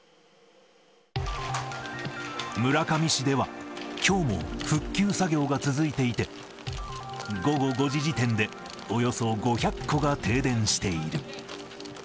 村上市では、きょうも復旧作業が続いていて、午後５時時点でおよそ５００戸が停電している。